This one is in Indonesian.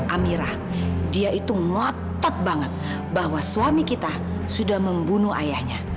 amirah dia itu ngotot banget bahwa suami kita sudah membunuh ayahnya